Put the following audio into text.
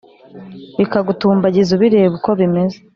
bikagutumbagiza ubireba uko bimeze